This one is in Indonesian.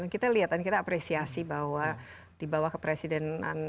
kita lihat dan kita apresiasi bahwa dibawa ke presidenan pak joko widodo